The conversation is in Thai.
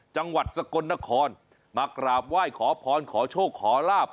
จังหวัดสกลนครมากราบไหว้ขอพรขอโชคขอลาบ